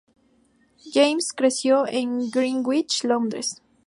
James creció en Greenwich, Londres.